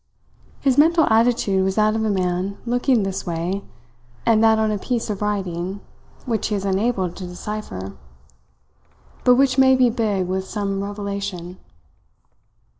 His mental attitude was that of a man looking this way and that on a piece of writing which he is unable to decipher, but which may be big with some revelation.